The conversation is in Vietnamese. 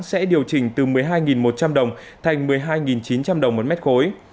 sẽ điều chỉnh từ một mươi hai một trăm linh đồng thành một mươi hai chín trăm linh đồng một mét khối